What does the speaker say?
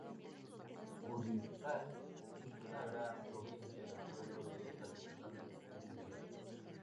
Kurdistán es una gran provincia y el pueblo de esta región habla diferentes dialectos.